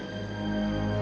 aku mau balik